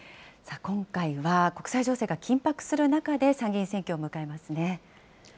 今回は、国際情勢が緊迫する中で参議院選挙を迎えますね。